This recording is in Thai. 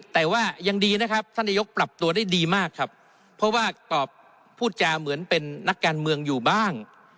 แต่ว่ายังดีนะครับท่านนายกปรับตัวได้ดีมากครับเพราะว่าตอบพูดจาเหมือนเป็นนักการเมืองอยู่บ้าง